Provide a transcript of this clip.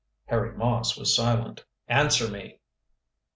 Harry Moss was silent. "Answer me."